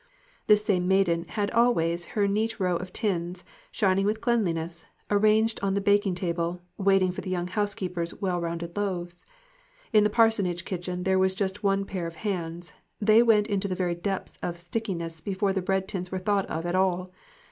This same maiden had always her neat row of tins, shining with cleanliness, arranged on the baking table, waiting for the young housekeeper's well rounded loaves. In the parsonage kitchen there was just one pair of hands ; they went into the very depths of stickiness before the bread tins were thought of at all.